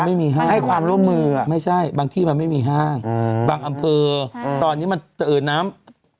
บางที่มันไม่มีห้างไม่ใช่บางที่มันไม่มีห้างบางอำเภอตอนนี้มันเติดน้ำ